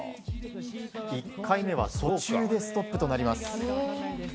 １回目は途中でストップとなります。